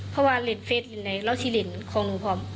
เพราะว่าเรียนเฟสเรียนไหนเราที่เรียนของหนูพร้อม